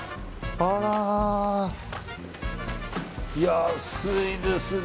あら、安いですね。